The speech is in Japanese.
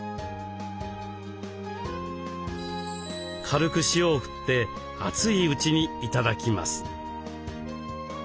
軽く塩を振って熱いうちに頂きます。